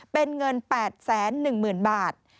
เป็นเงิน๘แสน๑หมื่นบาท